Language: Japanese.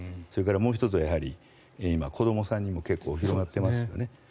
それからもう１つは子どもさんにも今、結構広がってますよね。